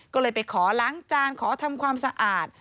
ก็เลยไปขอล้างจานขอทำความสะอาด